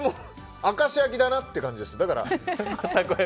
明石焼きだなって感じです。